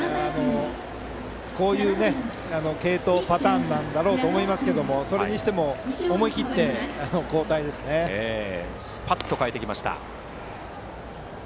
こういう継投パターンなんだろうと思いますけどそれにしてもスパッと代えてきました。